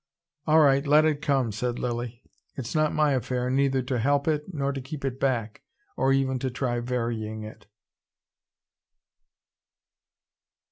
"All right, let it come," said Lilly. "It's not my affair, neither to help it nor to keep it back, or even to try varying it."